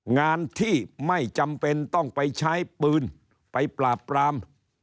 งานที่ไม่จำเป็นต้องไปใช้ปืนไปปราบปราม